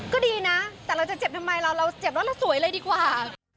ก็ดีนะแต่เราจะเจ็บทำไมเราเจ็บรถเราสวยเลยดีกว่า